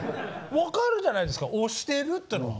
分かるじゃないですか押してるっていうのは。